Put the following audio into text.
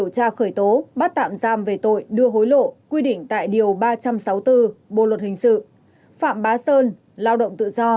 cụ thể hai bị can gồm